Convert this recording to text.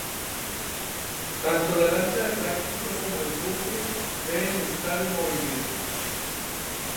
Tanto la lancha de prácticos como el buque deben estar en movimiento.